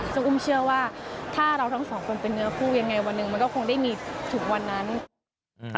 จนกลุ้มเชื่อว่าถ้าเราทั้งสองคนเป็นเงือผู้อย่างไรวันหนึ่ง